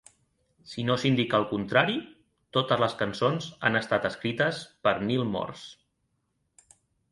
Si no s'indica el contrari, totes les cançons han estat escrites per Neal Morse.